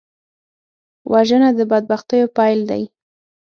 وژنه د بدبختیو پیل دی